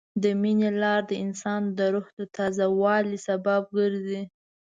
د مینې لار د انسان د روح د تازه والي سبب ګرځي.